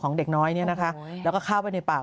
เด็กน้อยเนี่ยนะคะแล้วก็เข้าไปในป่า